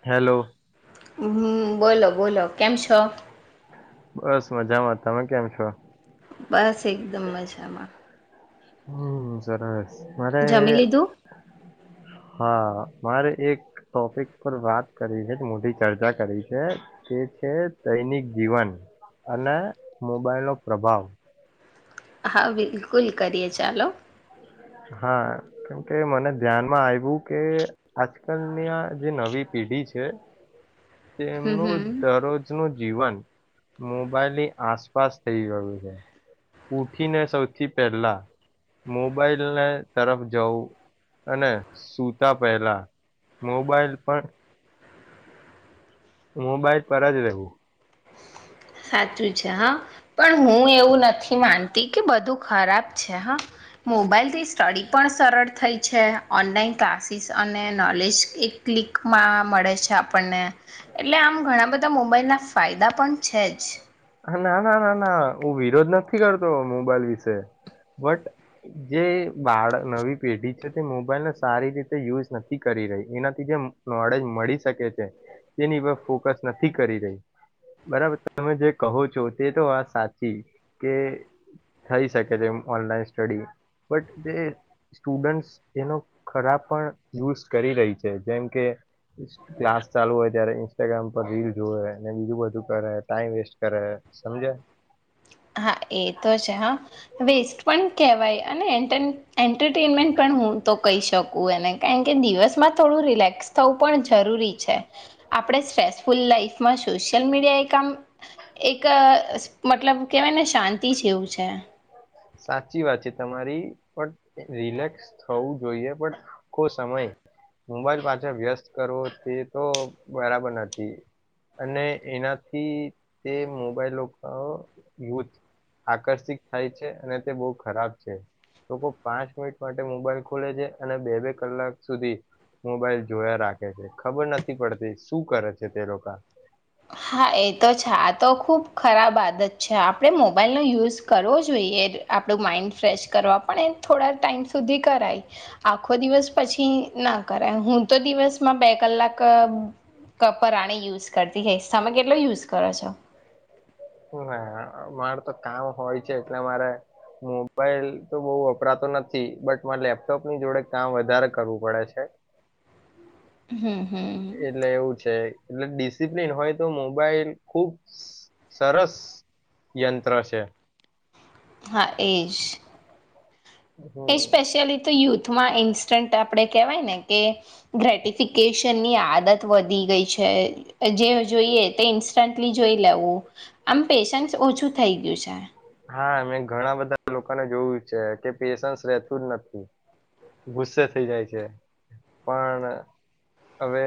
Hello. હમ્મ બોલો બોલો કેમ છો? બસ મજામાં. તમે કેમ છો? બસ એકદમ મજામાં. હમ સરરા જમી લીધું. હા, મારે એક ટોપિક પર વાત કરી છે મોટી ચર્ચા કરી છે તે છે દૈનિક જીવન અને મોબાઈલનો પ્રભાવ. હા, બિલકુલ કરીએ ચાલો. હા, કે મને ધ્યાનમાં આવ્યું કે, આજકાલની આ જે નવી પેઢી છે. હમ હમ તેમનું દરરોજનું જ જીવન મોબાઈલની આસપાસ થઈ ગયું છે. ઉઠીને સૌથી પહેલા, મોબાઈલને તરફ જવું અને સુતા પહેલા મોબાઈલ પણ મોબાઈલ પર જ રહેવું. સાચું છે હા. પણ હું એવું નથી માનતી કે, બધું ખરાબ છે હા મોબાઈલથી સ્ટડી પણ સરળ થઈ છે. ઓનલાઈન ક્લાસીસ અને નોલેજ એક ક્લિકમાં મળે છે આપણને. એટલે, આમ ઘણા બધા મો મલ્યા જ. ફાયદા પણ એજ. ના, ના, ના, ના. હું વિરોધ નથી કરતો મોબાઈલ વિશે, બટ જે બાળ નવી પેઢી છે, તે મોબાઈલને સારી રીતે યુઝ નથી કરી રહી. એનાથી જે નોલેજ મળી શકે છે, તેની ઉપ ફોકસ નથી કરી રહી. બરાબર, તમે જે કહો છો, તે તો આ સાચી કે થઈ શકે છે, ઓનલાઈન સ્ટડી. બટ જે સ્ટુડન્ટસ, એનો ખરાબ પણ યુઝ કરી રહી છે, જેમ કે ક્લાસ ચાલુ હોય ત્યારે ઇન્સ્ટાગ્રામ પર રીલ જો અને બીજું બધું કરે, ટાઈમ વેસ્ટ કરે, સમજે. હા, એ તો છે. હા, વેસ્ટ પણ કહેવાય. અને એન્ટ એન્ટરટેનમેન્ટ પણ, હું તો કહી શકું એને, કારણ કે દિવસમાં થોડું રિલેક્સ થવું પણ જરૂરી છે. આપણે સ્ટ્રેટફૂલ લાઈફમાં, સોશિયલ મીડિયા એક આમ, એક મતલબ કેવાયને શાંતિ જેવું છે. સાચી વાત છે તમારી, પણ રિલેક્સ થવું જોઈએ. પણ આખો સમય મોબાઈલ પાછા વ્યસ્ત કરવો, તે તો બરાબર નથી. અને એનાથી તે મોબાઈલો યુથ આકર્ષિત થાય છે. અને તે બહુ ખરાબ છે. લોકો પાંચ મિનિટ માટે મોબાઈલ ખોલે છે, અને બે બે કલાક સુધી મોબાઈલ જોયા રાખે છે. ખબર નથી પડતી, શું કરે છે તે લોકો. હા એ તો છે આ તો ખૂબ ખરાબ આદત છે. આપણે મોબાઈલનો યુઝ કરવો જોઈએ, આપણું માઈન્ડ ફ્રેશ કરવા. પણ એ થોડા ટાઈમ સુધી કરાય, આખો દિવસ પછી ના કરાય. હું તો દિવસમાં બે કલાક કપરાાણી યુઝ કરતી. એજ તમે કેટલો યુઝ કરો છો ના મારે તો કામ હોય છે એટલે મારે મોબાઈલ તો બો વપરાતો નથી બટ મારે લેપટોપ ની જોડે કામ વધારે કરવું પડે છે હમ હમ એટલે એવું છે એટલે ડિસિપ્લિન હોય તો મોબાઈલ ખુબ સરસ યંત્ર છે હા એજ એ હમ સ્પેશિયલી તો યુથમાં ઇન્સ્ટન્ટ આ આપણે કહેવાય ને કે ગ્રેટિફિકેશનની આદત વધી ગઈ છે જે જોઈએ તે ઇન્સ્ટન્ટલી જોઈ લેવું આમ પેશન્સ ઓછું થઈ ગયું છે હા મેં ઘણા બધા લોકોને જોયું છે કે પેશન્સ રહેેતું જ નથી ગુસ્સે થઈ જાય છે પણ હવે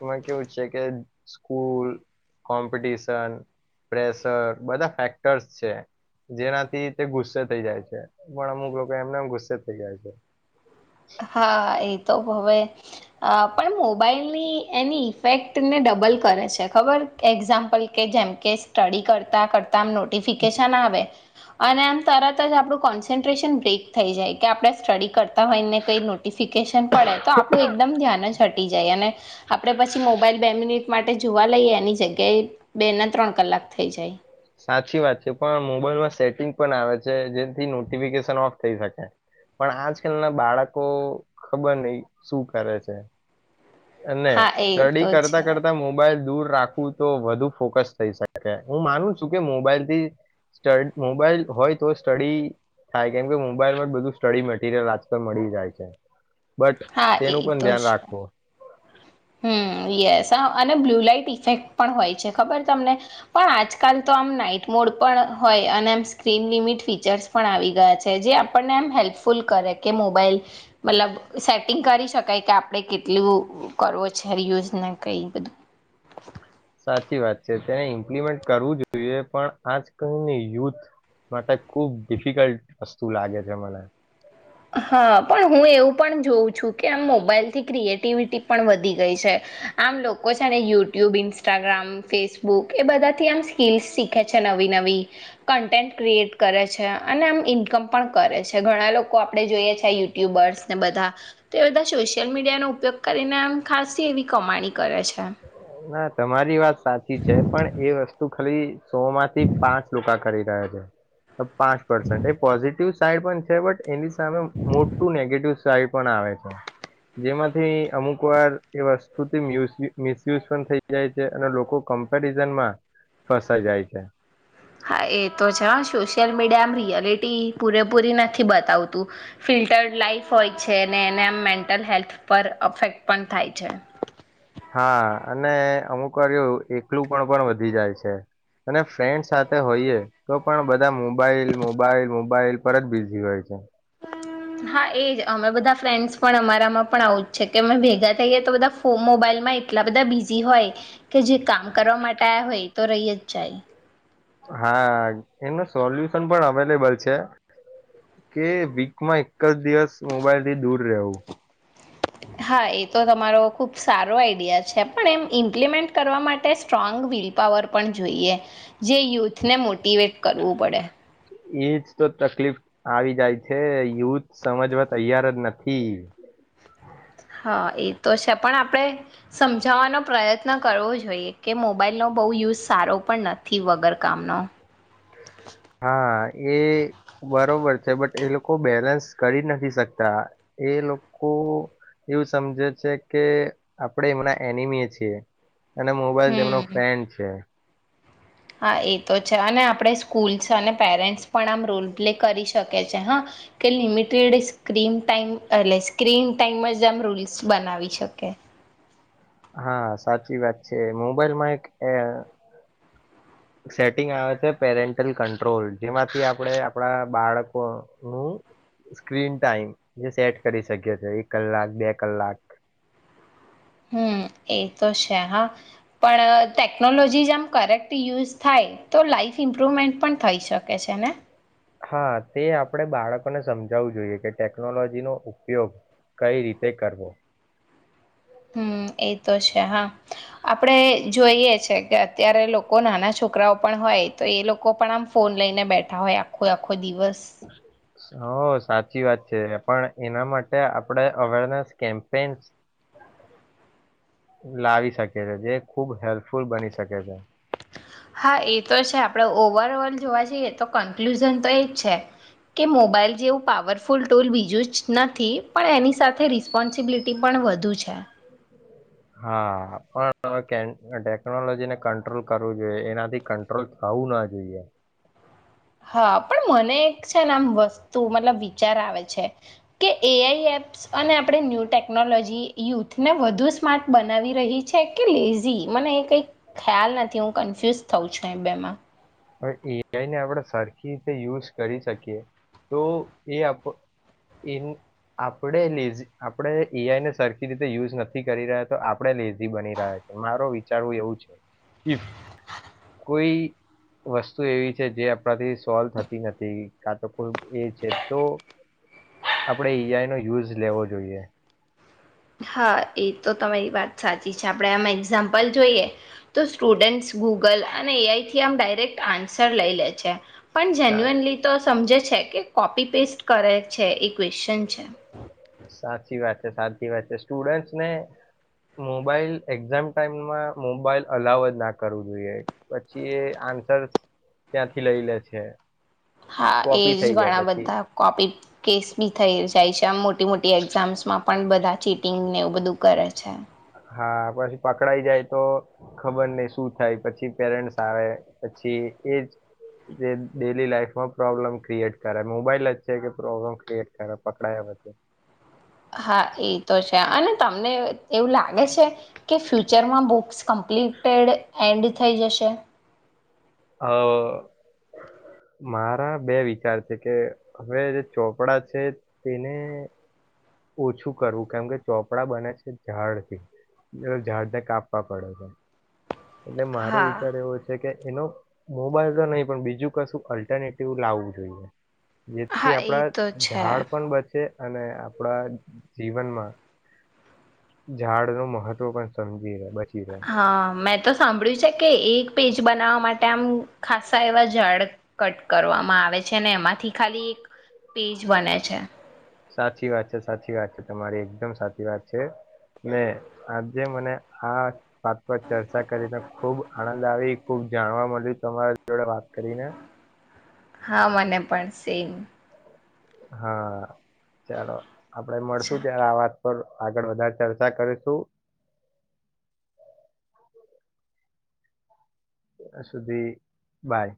એમાં કેવું છે કે સ્કૂલ કોમ્પિટિશન પ્રેશર બધા ફેક ફેક્ટર છે જેનાથી તે ગુસ્સે થઇ જાય છે પણ અમુક લોકો એમનેમ ગુસ્સે થઇ જાય છે હા એ તો હવે પણ મોબાઈલ ની એની ઈફેક્ટ ને ડબલ કરે છે ખબર એક્ઝામ્પલ કે જેમકે સ્ટડી કરતાં કરતા તામ નોટફિકેશન આવે અને આમ તરત જ આપડું કોન્સન્ટ્રેશન બ્રેક થઈ જાય કે આપણે સ્ટડી કરતા હોય કઈ નોટિફિકેશન પડે તો આપણું એકદમ ધ્યાન જ હટી જાય અને આપણે પછી મોબાઈલ બે મિનિટ માટે જોવા લઈએ એની જગ્યાએ બે ને ત્રણ કલાક થઈ જાય. સાચી વાત છે પણ મોબાઈલમાં સેટિંગ પણ આવે છે જેથી નોટિફિકેશન ઓફ થઈ શકે પણ આજકાલ ના બાળકો ખબર નહી શું કરે છે. અને હા એ સ્ટડી તો કરતા છે કરતા મોબાઈલ. દૂર રાખું તો વધુ ફોકસ થઈ શકે હું માનું છું કે મોબાઈલ થી સ મોબાઈલ હોય તો સ્ટડી થાય કેમકે મોબાઈલ માં જ બધું સ્ટડી મટીરિયલ આજકાલ મળી જાય છે. બટ હા એ તેનું પણ તો ધ્યાન છે રાખવો. હમ યસ અને બ્લુ લઇટ ઇફેક્ટ પણ હોય છે ખબર તમને પણ આજકાલ તો આમ નાઈટ મોડ પણ હોય અને આમ સ્ક્રીન લિમિટ ફીચર્સ પણ આવી ગયા છે જે આપણને એમ હેલ્પફુલ કરે કે મોબાઈલ મતલબ સેટિંગ કરી શકાય કે આપણે કેટલું. કરવો છે રીયુશ ને કઈ બધું. સાચી વાત છે તેને ઇમ્પ્લિમેન્ટ કરવું જોઈએ પણ આજ કલને યુથ માટે ખુબ ડિફિકલ્ટ વસ્તુ લાગે છે મને. હા પણ હું એવું પણ જોઉં છું કે આમ મોબાઈલથી ક્રિએટિવિટી પણ વધી ગઈ છે આમ લોકો છે ને યુટ્યુબ ઇન્સ્ટાગ્રામ ફેસબુક એ બધાથી આમ સ્કિલ્સ શીખે છે નવી નવી કન્ટેન્ટ ક્રિએટ કરે છે અને આમ ઇન્કમ પણ કરે છે ઘણા લોકો. કો આપણે જોઈએ છે યુ ટ્યુબર્સ ને બધા તો બધા. સોશિયલ મીડિયાનોો ઉપયોગ કરીને આમ ખાસ એવી કમાણી કરે છે. હા તમારી વાત. સાચી છે પણ એ વસ્તુ. તું ખાલી. સો માંથી પાંચ લોકા કરી રહ્યા છે. પાંચ પર્સેન્ટ એ પોઝિટિવ. સાઈડ પણ છે બટ એની સામે મોટું નેગેટિવ. સાદ પણ આવે છે જેમાંથી અમુક વાર એ વસ્તુ થી મિયુ મિસયુઝ પણ થઈ જાય છે અને લોકો કમ્પેરિઝનમાં ફસાઈ જાય છે. હા એ તો છે હ સોશિયલ મીડિયા આમ રિયાલિટી પૂરેપૂરી નથી બતાવતું ફિલ્ટર્ડ લાઈફ હોય છે ને એને આમ મેન્ટલ હેલ્થ પર અફેક્ટ પણ થાય છે. હા અને અમુક વાર એકલું પણ પણ વધી જાય છે અને ફ્રેન્ડ સાથે હોઈએ તો પણ બધા મોબાઈલ મોબાઈલ મોબાઈલ પર જ બિઝી હોય છે. હા એજ અમે બધા ફ્રેન્ડસ પણ અમારામાં પણ આવું જ છે કે અમે ભેગા થઈ ગયા તો બધા ફ મોબાઈલ માં એટલા બધા બિઝી હોય કે જે કામ કરવા માટે આવ્યા હોય તો રહી જ જાય. હા એનું સોલ્યુશન પણ અવેલેબલ છે કે વીકમાં એક જ દિવસ મોબાઈલ થી દૂર રહેવું. હા એ તો તમારો ખૂબ સારો આઈડિયા છે પણ એમ ઇમ્પ્લિમેન્ટ કરવા માટે સ્ટ્રોંગ વિલપાવર પણ જોઈએ જે યુથને મોટવેટ કરવું પડે. એજ તો તકલીફ આવી જાય છે યુથ સમજવા તૈયાર જ નથી. હા એ તો છે પણ આપણે સમજાવાનો પ્રયત્ન કરવો જોઈએ કે મોબાઈલનો બહુ યુઝ સારો પણ નથી વગર કામનો. હા એ બરોબર છે બટ એ લોકો બેલેન્સ કરી નથી શકતા એ લોકો એવું સમજે છે કે આપણેે એમના એનિમીએ છીએ. અને મોબાઈલ તેમનો હમ ફ્રેન્ડ છે. હા એ તો છે અને આપણે સ્કૂલ્સ અને પેરેન્ટ્સ પણ આમ રોલ પ્લે કરી શકી છે હા કે લિમિટેડ સ્ક્રીન ટાઈમ એટલે સ્ક્રીન ટાઈમ જ આમ રૂલ્સ બનાવી શકે. હા સાચી વાત છે મોબાઈલમાં એક એ સેટિંગ આવે છે પેરેન્ટલ કંટ્રોલ જેમાંથી આપણે આપણા બાળકોનું સ્ક્રીન ટાઈમ જે સેટ કરી શકીએ એક કલાક બે કલાક. હમ એ તો છે હા પણ ટેકનોલોજી જે આમ કરેક્ટ યુઝ થાય તો લાાઈફ ઇમ્પ્રુવમેન્ટ પણ થઈ શકે છે ને. હા તે આપણેે બાળકોને સમજાવવું જોઈએ કે ટેકનોલોજી નો ઉપયોગ કઈ રીતે કરવો. હમ એ તો છે હા આપડે જોઈએ છે કે અત્યારે લોકો નાના છોકરાઓ પણ હોય તો એ લોકો પણ આમ ફોન લઈને બેઠા હોય આખું આખું ખો દિવસ. હ સાચી વાત છે પણ એના માટે આપણેે અવેરનેસ કેમ્પેન લાવી શકીએ છેએ જે ખુબ હેલ્પફુલ બની શકે છે. હા એ તો છે આપણે ઓવરઓલ જોવા જઈએ તો કન્ક્લુઝન તો એ જ છે કે મોબાઈલ જેવું પાવરફુલ ટૂલ બીજું જ નથી પણ એની સાથે રિસ્પોન્સિબિલિટી પણ વધુ છે. હા પણ ટેકનોલોજીને કંટ્રોલ કરવું જોઈએ એનાથી કંટ્રોલ થવું ના જોઈએ. હા પણ મને એક છે ને આમ વસ્તુ મતલબ વિચાર આવે છે કે એઆઈ એપ્સ અને આપણે ન્યૂ ટેકનોલોજી યુથને વધુ સ્માર્ટ બનાવી રહી છે કે લેઝી મને એ કઈ ખ્યાલ નથી હું કન્ફ્યુઝ થઉ છું બેમાં. હવે એઆઈને આપણે સરખી રીતે યુઝ કરી શકીએ તો એ આપણે લેઝી આપણે એઆઈને સરખી રીતે યુઝ નથી કરી રહ્યા તો આપણે લેઝી બની રહ્યા છે મારો વિચારવું એવું છે ઇફ કોઈ વસ્તુ એવી છે જે આપણાથી સોલ્વ થતી નથી કા તો કોઈ એ છે તો આપડે ઈઆઈ નો યુઝ લેવો જોઈએ. હા એ તો તમારી વાત સાચી છે આપણે આમાં એક્ઝામ્પલ જોઈએ તો સ્ટુડન્ટસ ગૂગલ અને એઆઈથી આમ ડાયરેક્ટ આન્સર લઈ લે છે. પણ સા જેેન્યુઅનલી તો સમજે છે કે કોપી પેસ્ટ કરે છે એ ક્વેશચન છે. સાચી વાત છે સાચી વાત છે સ્ટુડન્ટસને મોબાઈલ એક્ઝામ ટાઈમમાં મોબાઈલ અલાવ જ ના કરવું જોઈએ પછી એ આન્સર્સ ત્યાંથી લઈ લે છે. હા એજ કોપી થઈ જાય ઘણા પછી બધા કોપી કેસ બી થઈ જ જાય છે આમ મોટી મોટી એક્ઝામ્સમાં પણ બધા ચીટિંગને એવું બધું કરે છે. હા પછી પકડાઈ જાય તો ખબર નહ શું થાય પછી પેરેન્ટ્સ આવે પછી એજ ડેલી લાઈફમાં પ્રોબ્લમ ક્રિએટ કરે મોબાઈલ જ છે કે પ્રોબ્લેમ ક્રિએટ કરે પકડયા પછી. હા એ તો છે અને તમને એવું લાગે છે કે ફ્યુચરમાં બુક્સ કમ્પ્લીટેડ એન્ડ થઈ જશે? અ મારા બે વિચાર છે કે હવે જે ચોપડા છે તેને. ઓછું કરવું કેમ કે ચોપડા બને છે ઝાડથી એ ઝાડને કાપવા પડે છે. એટલે મારો હા વિચાર એવો છે કે એનો મોબાઈલ તો નહી પણ બીજું કશું અલ્ટરનેટિવ લાવવું જોઈએ. જેથી હા એ આપડા તો છે ઝાડ પણ બચે અને આપણા જીવનમાં ઝાડ નું મહત્વ પણ સમજ હા મેં તો સાંભળ્યું છે કે એક પેજ બનાવવા માટે આમ ખાસા એવા ઝાડ કટ કરવામાં આવે છે એમાંથી ખાલી એક પેજ બને છે. સાચી વાત છે સાચી વાત છે તમારી એકદમ સાચી વાત છે ને આજે મને આ વાત પર ચર્ચા કરીને ખુબ આનંદ આવી ખુબ જાણવા મળ્યું તમારા જોડે વાત કરીને હા મને પણ સેમ. હા ચાલો. આપડે મળશુ અચ્છા ત્યારે આ વાત પર આગળ વધધા ચર્ચા કરીશું. તં સુધી બાય.